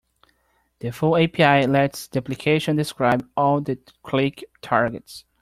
The full API lets the application describe all the click targets.